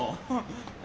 え？